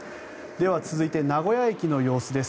では、続いて名古屋駅の様子です。